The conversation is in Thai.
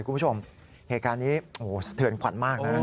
คุณผู้ชมเหตุการณ์นี้โอ้โหสะเทือนขวัญมากนะ